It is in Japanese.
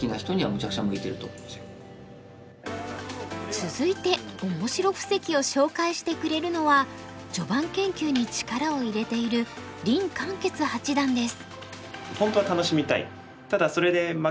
続いてオモシロ布石を紹介してくれるのは序盤研究に力を入れている林漢傑八段です。